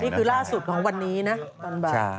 นี่คือล่าสุดของวันนี้นะ